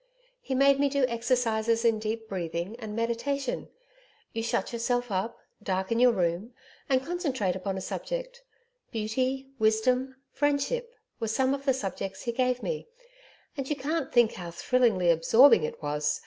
He made me do exercises in deep breathing and meditation you shut yourself up, darken your room and concentrate upon a subject Beauty, Wisdom, Friendship, were some of the subjects he gave me and you can't think how thrillingly absorbing it was.